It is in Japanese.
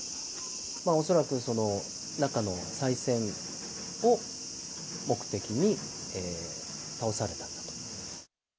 恐らく、中のさい銭を目的に倒されたんだと。